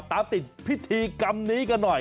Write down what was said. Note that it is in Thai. ตามติดพิธีกรรมนี้กันหน่อย